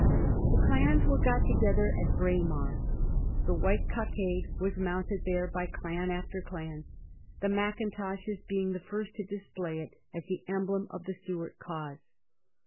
The clans were got together at Braemar. The white cockade was mounted there by clan after clan ; the Macintoshes being the first to display it as the emblem of the Stuart cause.